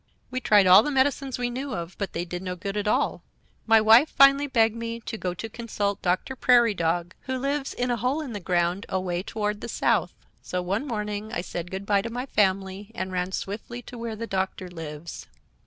"We tried all the medicines we knew of, but they did no good at all. My wife finally begged me to go to consult Doctor Prairiedog, who lives in a hole in the ground away toward the south. So one morning I said good by to my family and ran swiftly to where the doctor lives.